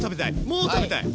もう食べたい